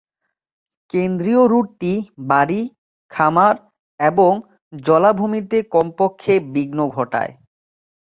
কেন্দ্রীয় রুটটি বাড়ি, খামার এবং জলাভূমিতে কমপক্ষে বিঘ্ন ঘটায়।